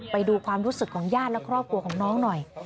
ไปดูความรู้สึกของญาติและครอบครัวของน้องหน่อย